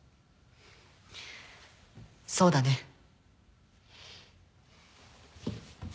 そうだね。